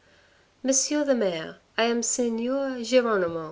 " Monsieur the mayor, I am Signor Geronimo.